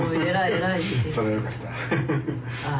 それはよかった。